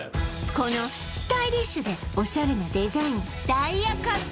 このスタイリッシュでオシャレなデザイン